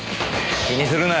気にするな。